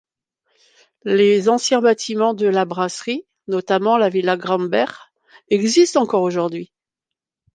Les anciens bâtiments de la brasserie, notamment la villa Gruber, existent encore aujourd'hui.